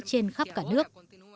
trên khắp cả nước